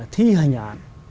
thì hành án